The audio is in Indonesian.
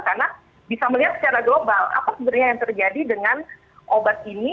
karena bisa melihat secara global apa sebenarnya yang terjadi dengan obat ini